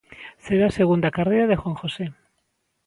Será a segunda carreira de Juan José.